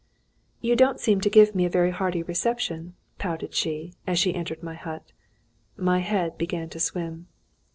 "You don't seem to give me a very hearty reception," pouted she, as she entered my hut. My head began to swim.